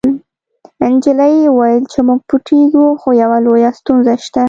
نجلۍ وویل چې موږ پټیږو خو یوه لویه ستونزه شته